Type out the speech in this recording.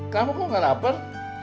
kamu kok gak lapar